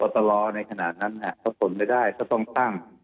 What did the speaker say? สนุนโดยน้ำดื่มสิง